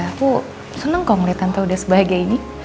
aku seneng kok ngeliat tante udah sebahagia ini